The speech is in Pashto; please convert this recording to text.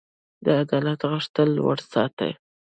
د عدالت غږ تل لوړ ساتئ.